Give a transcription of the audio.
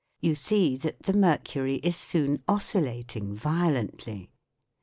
You see that the mercury is soon oscillating violently.